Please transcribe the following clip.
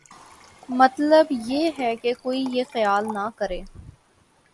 مطلب یہ ہے کہ کوئی یہ خیال نہ کرے